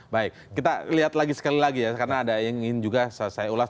baik kita lihat lagi sekali lagi ya karena ada yang ingin juga saya ulas